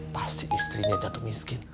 pasti istrinya jatuh miskin